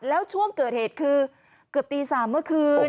แล้วช่วงเกิดเหตุคือเกือบตี๓เมื่อคืน